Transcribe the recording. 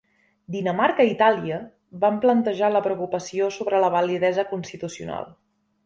Dinamarca i Itàlia van plantejar la preocupació sobre la validesa constitucional.